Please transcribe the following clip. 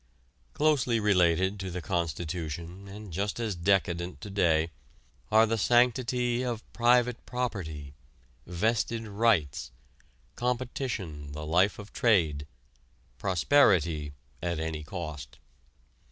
Closely related to the constitution and just as decadent to day are the Sanctity of Private Property, Vested Rights, Competition the Life of Trade, Prosperity (at any cost).